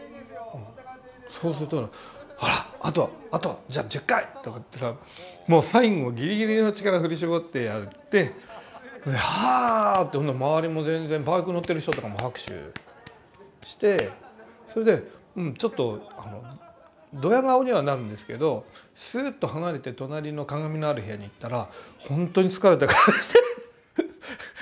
そうすると「ほらあとあとじゃ１０回」とかって言ったらもう最後ギリギリの力振り絞ってやってハーッて周りも全然バイク乗ってる人とかも拍手してそれでちょっとドヤ顔にはなるんですけどスーッと離れて隣の鏡のある部屋に行ったら本当に疲れた顔してる。